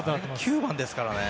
９番ですからね。